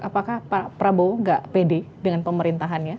apakah prabowo nggak pede dengan pemerintahannya